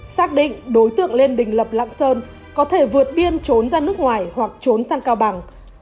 xác định đối tượng lê đình lập lạng sơn có thể vượt biên trốn ra nước ngoài hoặc trốn sang cao bằng